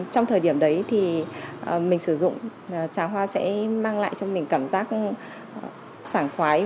trong thời điểm đấy thì mình sử dụng trà hoa sẽ mang lại cho mình cảm giác sảng khoái